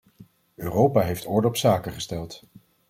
Europa heeft orde op zaken gesteld.